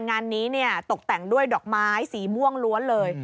งานนี้ตกแต่งด้วยดอกไม้สีม่วงล้วนเลย